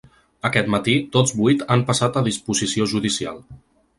Aquest matí, tots vuit han passat a disposició judicial.